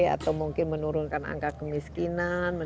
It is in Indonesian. atau mungkin menurunkan angka kemiskinan